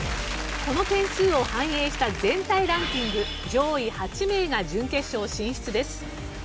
この点数を反映した全体ランキング上位８名が準決勝進出です。